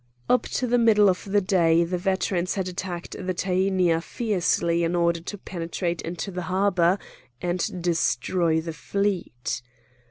Up to the middle of the day the veterans had attacked the Tænia fiercely in order to penetrate into the harbour and destroy the fleet.